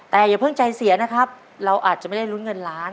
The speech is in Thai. แต่อย่าเพิ่งใจเสียนะครับเราอาจจะไม่ได้ลุ้นเงินล้าน